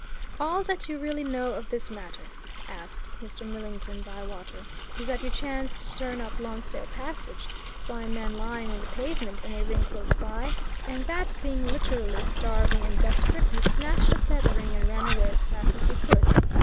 "All that you really know of this matter," asked Mr. Millington Bywater, "is that you chanced to turn up Lonsdale Passage, saw a man lying on the pavement and a ring close by, and that, being literally starving and desperate, you snatched up that ring and ran away as fast as you could?"